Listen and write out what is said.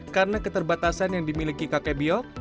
karena keterbatasan yang dimiliki kakek biok